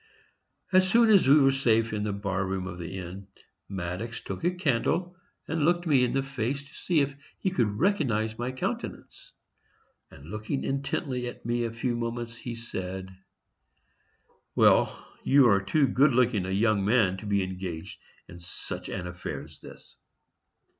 As soon as we were safe in the bar room of the inn, Maddox took a candle and looked me in the face, to see if he could recognize my countenance; and looking intently at me a few moments, he said, "Well, you are too good looking a young man to be engaged in such an affair as this."